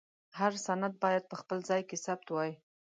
هر سند باید په خپل ځای کې ثبت وای.